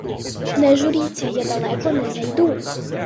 Не журіться, я далеко не зайду.